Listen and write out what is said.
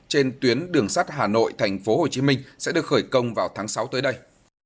trên tuyến đường sát hà nội thhcm sẽ được khởi công vào tháng sáu tới đây